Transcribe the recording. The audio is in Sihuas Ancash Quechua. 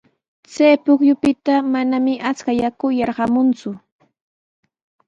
Chay pukyupita manami achka yaku yarqamunku.